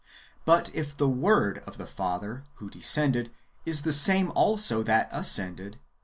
But if the Word of the Father who descended is the same also that ascended.